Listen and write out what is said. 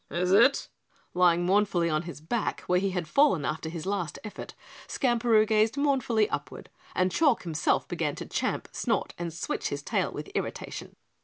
"Is it?" Lying mournfully on his back where he had fallen after his last effort, Skamperoo gazed mournfully upward and Chalk himself began to champ, snort and switch his tail with irritation.